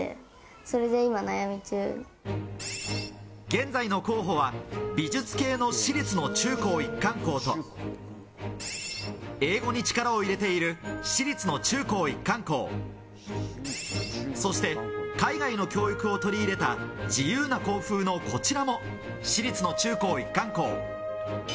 現在の候補は美術系の私立の中高一貫校と英語に力を入れている私立の中高一貫校、そして海外の教育を取り入れた自由な校風のこちらも私立の中高一貫校。